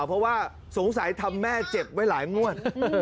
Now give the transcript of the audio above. เพราะว่าสงสัยทำแม่เจ็บไว้หลายงวด